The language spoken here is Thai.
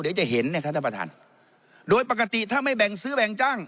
เดี๋ยวจะเห็นนะครับท่านประธานโดยปกติถ้าไม่แบ่งซื้อแบ่งจ้าง